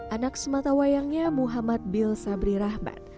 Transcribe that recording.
anak sematawayangnya muhammad bil sabri rahmat